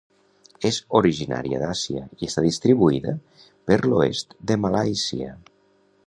És originària d'Àsia i està distribuïda per l'oest de Malàisia.